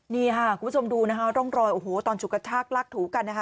นี่ค่ะคุณผู้ชมดูนะคะร่องรอยโอ้โหตอนฉุกกระชากลากถูกันนะคะ